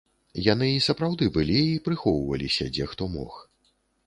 Яны і сапраўды былі і прыхоўваліся, дзе хто мог.